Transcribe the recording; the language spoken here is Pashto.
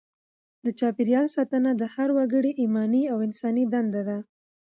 د چاپیریال ساتنه د هر وګړي ایماني او انساني دنده ده.